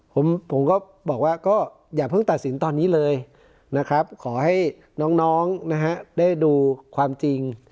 ผมก็บอกว่าก็อย่าเพิ่งตัดสินตอนนี้เลยนะครับขอให้น้องนะฮะได้ดูความจริง